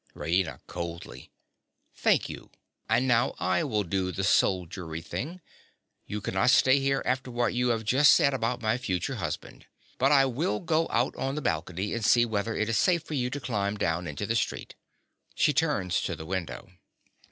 RAINA. (coldly). Thank you. And now I will do a soldierly thing. You cannot stay here after what you have just said about my future husband; but I will go out on the balcony and see whether it is safe for you to climb down into the street. (_She turns to the window.